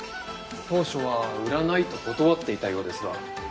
当初は売らないと断っていたようですが。